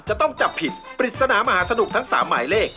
จะต้องจับผิดปริศนามหาสนุกทั้ง๓หมายเลข